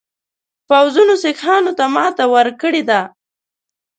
پوځونو سیکهانو ته ماته ورکړې ده.